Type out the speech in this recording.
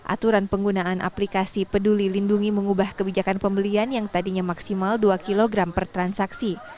aturan penggunaan aplikasi peduli lindungi mengubah kebijakan pembelian yang tadinya maksimal dua kg per transaksi